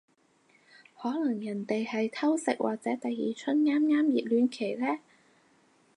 可能人哋係偷食或者第二春啱啱熱戀期呢